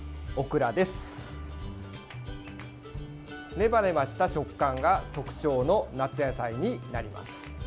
ネバネバした食感が特徴の夏野菜になります。